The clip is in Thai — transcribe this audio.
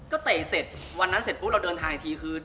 ก็เตะเสร็จวันนั้นเสร็จปุ๊บเราเดินทางอีกทีคือ